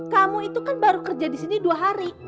kamu itu kan baru kerja di sini dua hari